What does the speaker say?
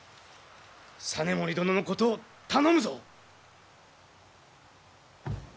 実盛殿のこと頼むぞ。